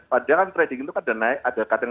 padahal trading itu kadang kadang